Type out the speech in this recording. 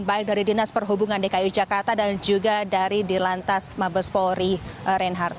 dan baik dari dinas perhubungan dki jakarta dan juga dari dilantas mabes polri reinhardt